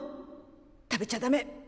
食べちゃダメ！